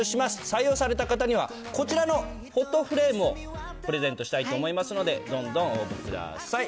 採用された方には、こちらのフォトフレームをプレゼントしたいと思いますので、どんどん応募ください。